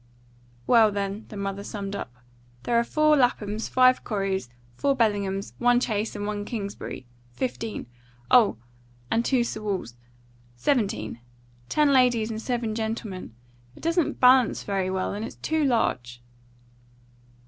"Well, then," the mother summed up, "there are four Laphams, five Coreys, four Bellinghams, one Chase, and one Kingsbury fifteen. Oh! and two Sewells. Seventeen. Ten ladies and seven gentlemen. It doesn't balance very well, and it's too large."